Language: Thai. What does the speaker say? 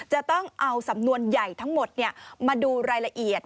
จะต้องเอาสำนวนใหญ่ทั้งหมดมาดูรายละเอียด